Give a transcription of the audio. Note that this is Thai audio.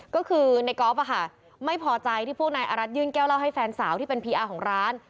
ก็คือในก๊อฟไม่พอใจที่พวกนายอารัฐยื่นแก้วเล่าให้แฟนสาวที่เป็นพีอาร์ของร้าน